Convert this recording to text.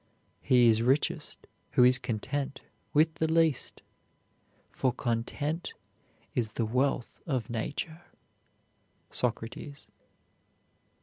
He is richest who is content with the least, for content is the wealth of nature. SOCRATES.